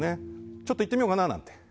ちょっと行ってみようかななんて。